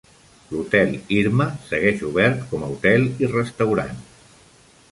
L'Hotel Irma segueix obert com a hotel i restaurant.